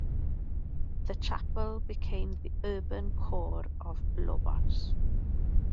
The chapel became the urban core of Lobos.